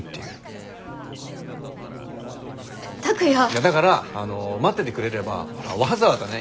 いやだから待っててくれればわざわざね